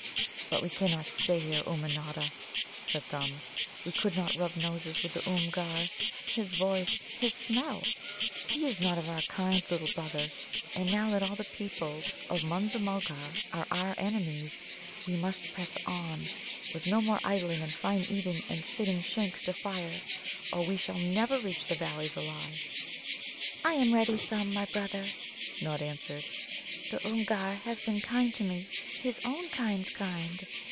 "But we cannot stay here, Ummanodda," said Thumb. "We could not rub noses with the Oomgar. His voice, his smell! He is not of our kind, little brother. And now that all the peoples of Munza mulgar are our enemies, we must press on, with no more idling and fine eating and sitting shanks to fire, or we shall never reach the Valleys alive." "I am ready, Thumb, my brother," Nod answered. "The Oomgar has been kind to me, his own kind's kind.